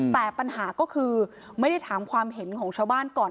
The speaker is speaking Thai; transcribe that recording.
แต่ปัญหาก็คือไม่ได้ถามความเห็นของชาวบ้านก่อน